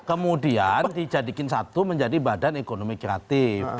kemudian dijadikan satu menjadi badan ekonomi kreatif